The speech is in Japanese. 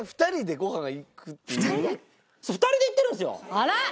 あら！